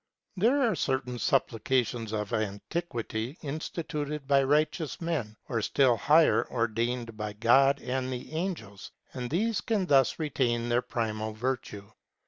There are certain supplications of antiquity, instituted by righteous men, or still higher, ordained by God and the angels ; and these can thus retain their primal virtue.